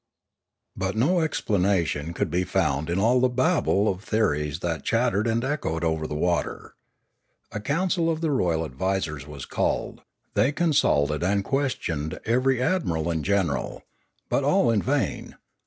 But no explanation could be found in all the babel of theories that chattered and echoed over the water. A council of the royal advisers was called; they consulted and questioned every admiral and general; but all in vain.